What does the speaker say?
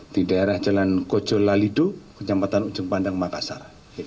di daerah jalan kojolalido kejampatan ujung pandang makassar